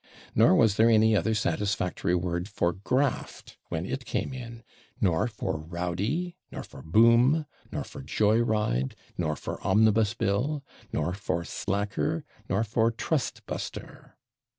Nor was there any other satisfactory word for /graft/ when it came in, nor for /rowdy/, nor for /boom/, nor for /joy ride/, nor for /omnibus bill/, nor for /slacker/, nor for /trust buster